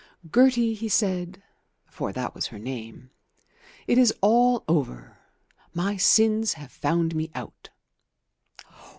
"Gertie," he said, for that was her name, "it is all over. My sins have found me out."